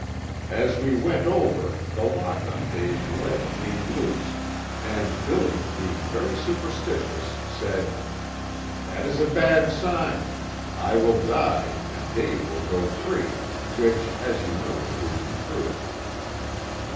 As we went over the lock on Dave's leg came loose, and 'Billy' being very superstitious, said: 'That is a bad sign. I will die, and Dave will go free,' which, as you know, proved true.